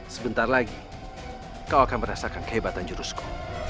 sebentar lagi kau akan merasakan kehebatan jurusku